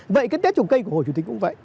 vậy cái tết trồng cây của hồ chủ tịch cũng vậy